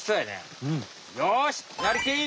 よし！